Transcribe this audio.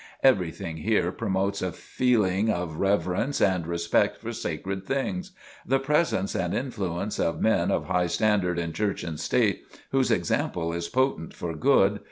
Everything here promotes a feeling of reverence and respect for sacred things. The presence and influence of men of high standard in Church and state, whose example is potent for good....